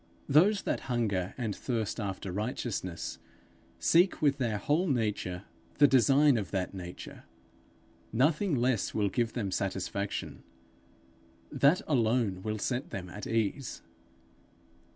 Those that hunger and thirst after righteousness, seek with their whole nature the design of that nature. Nothing less will give them satisfaction; that alone will set them at ease.